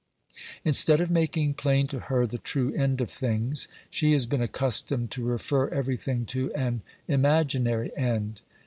Instead of making plain to her the true end of things, she has been accustomed to refer everything to an imaginary end.